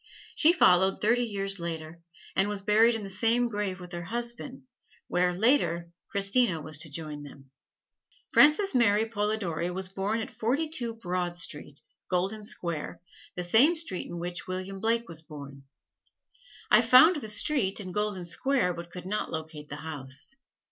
She followed thirty years later, and was buried in the same grave with her husband, where, later, Christina was to join them. Frances Mary Polidori was born at Forty two Broad Street, Golden Square, the same street in which William Blake was born. I found the street and Golden Square, but could not locate the house.